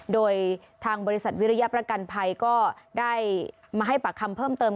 โดยทางบริษัทวิริยประกันภัยก็ได้มาให้ปากคำเพิ่มเติม